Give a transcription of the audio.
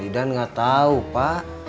tak tahu pak